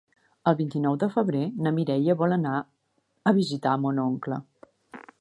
El vint-i-nou de febrer na Mireia vol anar a visitar mon oncle.